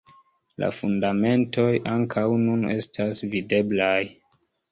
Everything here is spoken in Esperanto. La fundamentoj ankaŭ nun estas videblaj.